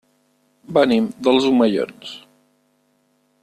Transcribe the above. Venim dels Omellons.